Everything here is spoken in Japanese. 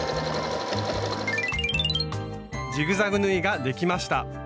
ジグザグ縫いが出来ました。